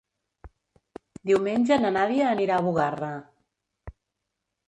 Diumenge na Nàdia anirà a Bugarra.